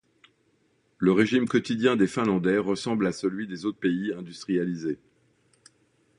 Le régime quotidien des Finlandais ressemble à celui des autres pays industrialisés.